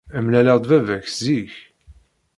Mlaleɣ-d baba-k zik.